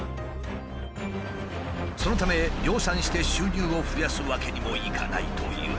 そのため量産して収入を増やすわけにもいかないという。